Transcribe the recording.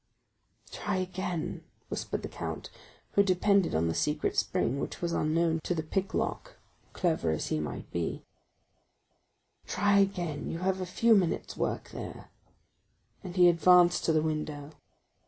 "Try again," whispered the count, who depended on the secret spring, which was unknown to the picklock, clever as he might be—"try again, you have a few minutes' work there." And he advanced to the window.